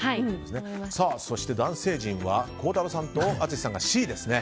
そして男性陣は孝太郎さんと淳さんがＣですね。